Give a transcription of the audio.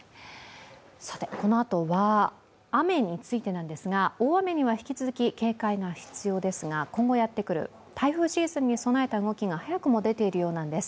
このあとは、雨についてなんですが大雨には引き続き警戒が必要ですが今後、やってくる台風シーズンに向けた動きが早くも出ているようなんです。